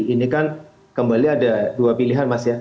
ini kan kembali ada dua pilihan mas ya